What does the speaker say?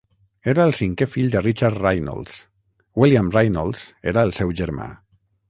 Ell era el cinquè fill de Richard Rainolds; William Rainolds era el seu germà.